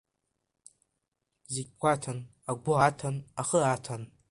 Зегь гәаҭан агәы аҭан, ахы аҭан…